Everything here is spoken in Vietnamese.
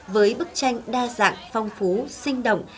với bức tranh đa dạng phong phú sinh động